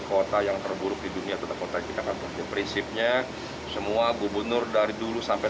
kota yang terburuk di dunia tetap otak kita akan berisi punya semua gubernur dari dulu sampai